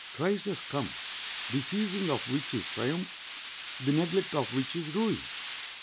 Crises come, the seizing of which is triumph, the neglect of which is ruin.